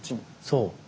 そう。